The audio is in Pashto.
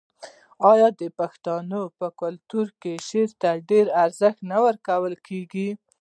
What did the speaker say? آیا د پښتنو په کلتور کې شعر ته ډیر ارزښت نه ورکول کیږي؟